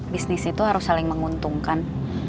bisnis itu harus saling menguntungkan